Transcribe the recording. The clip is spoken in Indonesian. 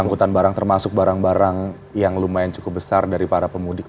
angkutan barang termasuk barang barang yang lumayan cukup besar dari para pemudik